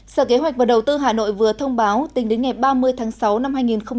sở kế hoạch và đầu tư hà nội vừa thông báo tính đến ngày ba mươi tháng sáu năm hai nghìn hai mươi